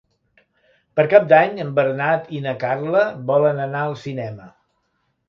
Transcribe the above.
Per Cap d'Any en Bernat i na Carla volen anar al cinema.